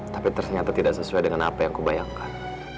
tapi ternyata tidak sesuai dengan apa yang aku bayangkan